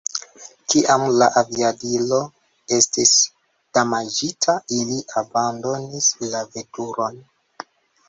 Kiam la aviadilo estis damaĝita, ili abandonis la veturon.